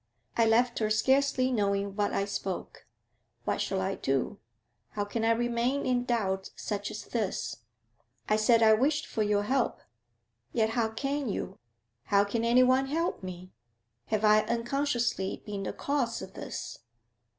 I left her scarcely knowing what I spoke. What shall I do? How can I remain in doubt such as this? I said I wished for your help, yet how can you how can anyone help me? Have I unconsciously been the cause of this?'